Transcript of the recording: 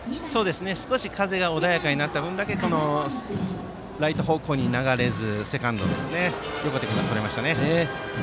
少し風が穏やかになった分だけライト方向に流れずセカンドの横手君がとりましたね。